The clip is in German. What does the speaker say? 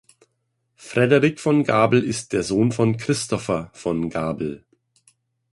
Frederik von Gabel ist der Sohn von Christoffer von Gabel.